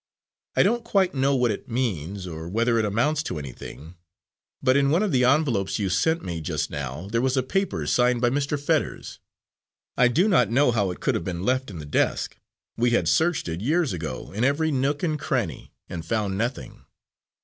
I don't quite know what it means, or whether it amounts to anything, but in one of the envelopes you sent me just now there was a paper signed by Mr. Fetters. I do not know how it could have been left in the desk; we had searched it, years ago, in every nook and cranny, and found nothing."